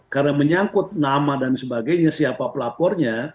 karena menyangkut nama dan sebagainya siapa pelapornya